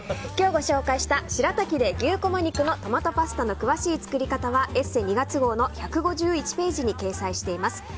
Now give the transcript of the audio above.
今日ご紹介したしらたきで牛こま肉のトマトパスタの詳しい作り方は「ＥＳＳＥ」２月号の１５１ページに掲載しています。